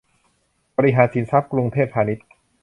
บริหารสินทรัพย์ กรุงเทพพาณิชย์